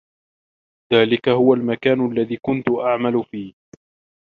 ذلك هو المكان الذي كنت أعمل فيه.